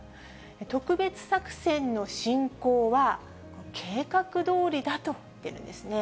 特別作戦の進行は計画どおりだと言っているんですね。